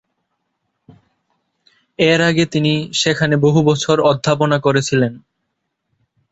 এর আগে তিনি সেখানে বহু বছর অধ্যাপনা করেছিলেন।